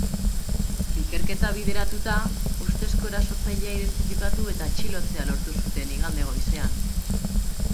Ikerketa bideratuta, ustezko erasotzailea identifikatu eta atxilotzea lortu zuten igande goizean.